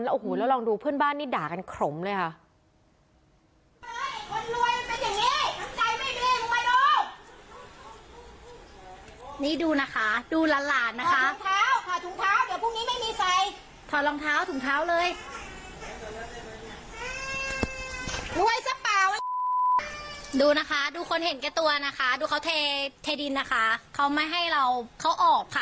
โอ้โหแล้วลองดูเพื่อนบ้านนี่ด่ากันขลมเลยค่ะ